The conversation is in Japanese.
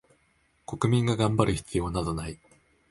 国民が頑張る必要などない